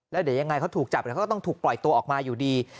แล้วเดี๋ยวยังไงเขาถูกจับเดี๋ยวเขาก็ต้องถูกปล่อยตัวออกมาอยู่ดี